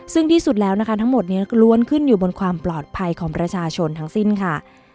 ซึ่งที่สุดแล้วนะคะทั้งหมดนี้ล้วนขึ้นอยู่บนความปลอดภัยของประชาชนทั้งสิ้นค่ะ